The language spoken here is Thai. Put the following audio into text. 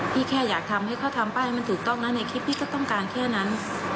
แค่อยากทำให้เขาทำป้ายให้มันถูกต้องนะในคลิปพี่ก็ต้องการแค่นั้น